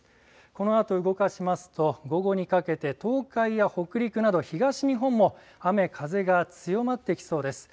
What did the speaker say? このあと動かしますと午後にかけて東海や北陸など東日本も雨風が強まってきそうです。